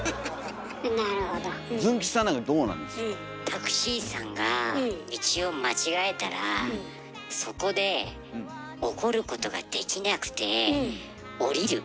タクシーさんが道を間違えたらそこで怒ることができなくて降りる。